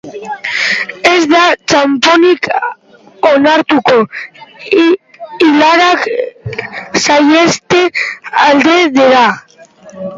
Ez da txanponik onartuko, ilarak saiheste aldera.